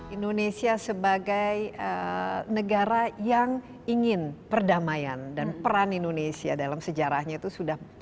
indonesia sebagai negara yang ingin perdamaian dan peran indonesia dalam sejarahnya itu sudah